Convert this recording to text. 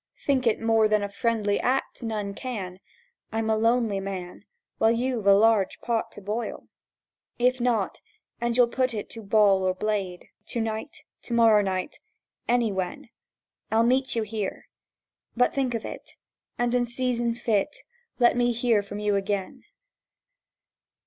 Think it more than a friendly act none can; I'm a lonely man, While you've a large pot to boil. "If not, and you'll put it to ball or blade— To night, to morrow night, anywhen— I'll meet you here ... But think of it, And in season fit Let me hear from you again."